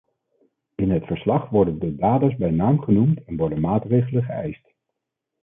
In het verslag worden de daders bij naam genoemd en worden maatregelen geëist.